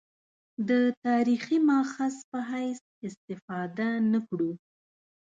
د تاریخي مأخذ په حیث استفاده نه کړو.